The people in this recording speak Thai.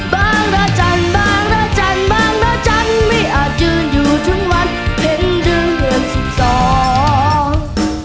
บางระจันทร์บางระจันทร์บางระจันทร์ไม่อาจยืนอยู่ทุกวันเห็นเดือนเดือนสิบสอง